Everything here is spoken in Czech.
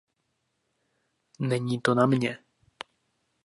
Není to na mně.